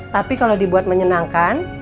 tapi kalo dibuat menyenangkan